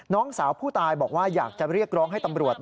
น้องสาวผู้ตายบอกว่าอยากจะเรียกร้องให้ตำรวจ